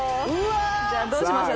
じゃあどうしましょう？